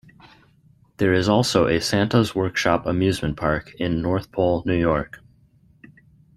There is also a Santa's Workshop amusement park in North Pole, New York.